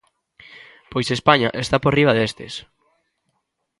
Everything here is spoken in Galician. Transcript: Pois España está por riba destes.